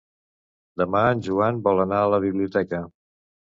Demà en Joan vol anar a la biblioteca.